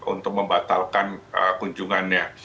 untuk membatalkan kunjungannya